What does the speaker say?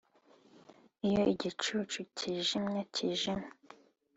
iyo igicucu cyijimye cyijimye